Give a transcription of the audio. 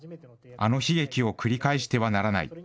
あの悲劇を繰り返してはならない。